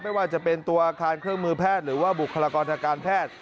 ไม่ว่าจะเป็นตัวอาคารเครื่องมือแพทย์หรือว่าบุคลากรทางการแพทย์